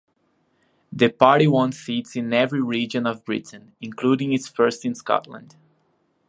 The party won seats in every region of Britain, including its first in Scotland.